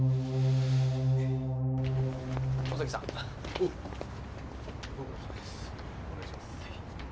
お願いします。